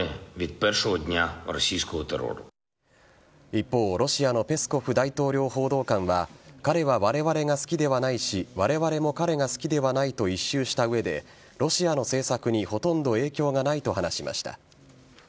一方、ロシアのペスコフ大統領報道官は彼はわれわれが好きではないしわれわれも彼が好きではないと一蹴した上でロシアの政策にほとんど影響がないと話しました。